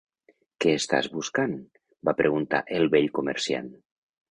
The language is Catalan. "Què estàs buscant?", va preguntar el vell comerciant.